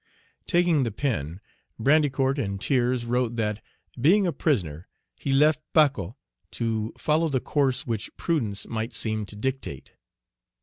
Taking the pen, Brandicourt in tears wrote that, being a prisoner, he left Pacot to follow the course which prudence might seem to dictate.